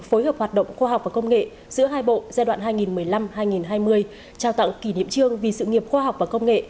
phối hợp hoạt động khoa học và công nghệ giữa hai bộ giai đoạn hai nghìn một mươi năm hai nghìn hai mươi trao tặng kỷ niệm trương vì sự nghiệp khoa học và công nghệ